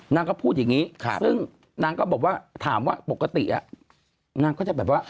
นางก็พูดอย่างนี้ซึ่งนางก็บอกว่าถามว่าปกตินางก็จะแบบว่า